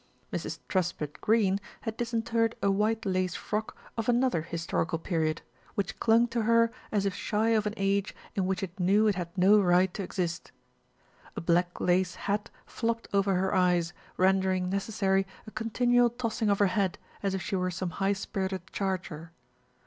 192 THE RETURN OF ALFRED Mrs. Truspitt Greene had disinterred a white lace frock of another historical period, which clung to her as if shy of an age in which it knew it had no right to exist. A black lace hat flopped over her eyes, render ing necessary a continual tossing of her head, as if she were some high spirited charger.